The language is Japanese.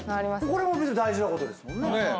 これも大事なことですもんね。